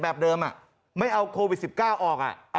ขอเลื่อนสิ่งที่คุณหนูรู้สึก